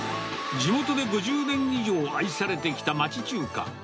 地元で５０年以上愛されてきた町中華。